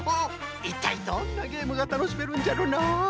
いったいどんなゲームがたのしめるんじゃろな。